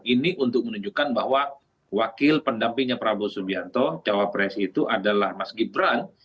ini untuk menunjukkan bahwa wakil pendampingnya prabowo subianto cawapres itu adalah mas gibran